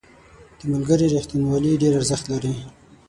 • د ملګري رښتینولي ډېر ارزښت لري.